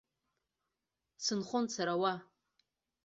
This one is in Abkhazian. Сынхон сара уа.